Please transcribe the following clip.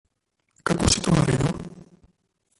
Kako si to naredil?